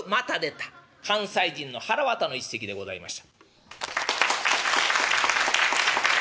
「関西人のはらわた」の一席でございました。